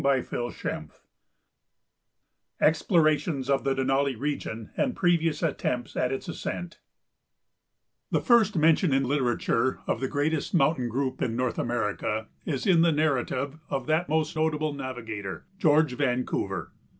CHAPTER VIII EXPLORATIONS OF THE DENALI REGION AND PREVIOUS ATTEMPTS AT ITS ASCENT The first mention in literature of the greatest mountain group in North America is in the narrative of that most notable navigator, George Vancouver.